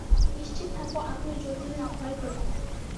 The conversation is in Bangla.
নিশ্চিত থাকো, আমি ওই জন্তুদের ভয় করি না।